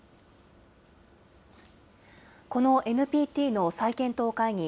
このＮＰＴの再検討会議。